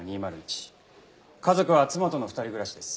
家族は妻との二人暮らしです。